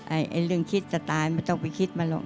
ไอ้เรื่องคิดจะตายไม่ต้องไปคิดมันหรอก